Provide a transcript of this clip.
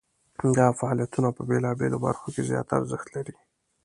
دا فعالیتونه په بیلو برخو کې زیات ارزښت لري.